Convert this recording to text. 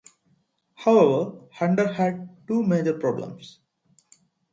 However, Hunter had two major problems.